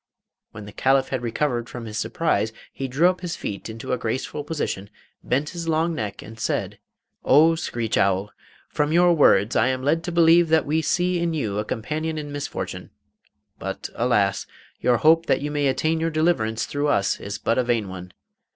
When the Caliph had recovered from his surprise, he drew up his feet into a graceful position, bent his long neck, and said: 'Oh, screech owl! from your words I am led to believe that we see in you a companion in misfortune. But, alas! your hope that you may attain your deliverance through us is but a vain one.